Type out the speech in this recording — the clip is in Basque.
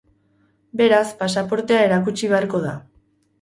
Beraz pasaportea erakutsi beharko da.